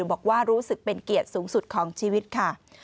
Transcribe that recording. บอกว่ารู้สึกเป็นเกียรติสูงสุดของชีวิตค่ะ